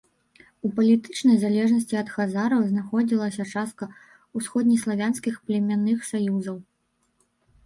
У палітычнай залежнасці ад хазараў знаходзілася частка ўсходнеславянскіх племянных саюзаў.